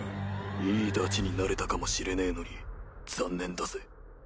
いいダチになれたかもしれねえのに残念だぜ。